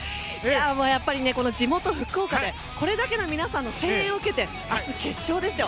やっぱり地元の福岡でこれだけ皆さんの声援を受けて明日、決勝ですよ。